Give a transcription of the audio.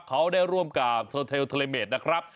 เขาได้ร่วมกับโซเทลทะเลเมดนะครับ